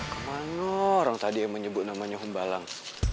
kemana orang tadi yang menyebut namanya humbalang